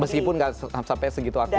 meskipun tidak sampai segitu akurat